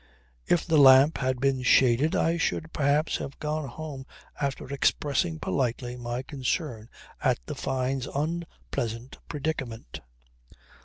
If the lamp had been shaded I should perhaps have gone home after expressing politely my concern at the Fynes' unpleasant predicament.